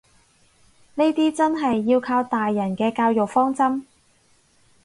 呢啲真係要靠大人嘅教育方針